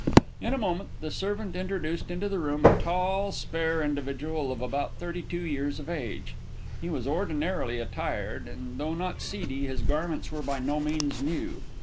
In a moment, the servant introduced into the room a tall, spare individual, of about thirty two years of age. He was ordinarily attired, and, though not seedy, his garments were by no means new.